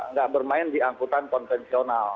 nggak bermain di angkutan konvensional